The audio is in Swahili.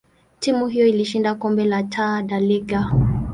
timu hiyo ilishinda kombe la Taa da Liga.